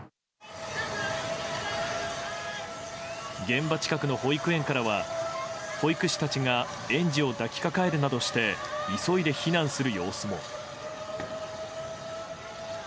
現場近くの保育園からは保育士たちが園児を抱きかかえるなどして急いで避難する様子も。